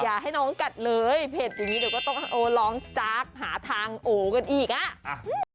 อย่าให้น้องกัดเลยเผ็ดอย่างนี้เดี๋ยวก็ต้องโอ้ร้องจากหาทางโอกันอีกอ่ะ